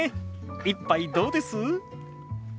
一杯どうです？